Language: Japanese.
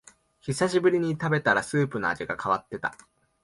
久しぶりに食べたらスープの味が変わってた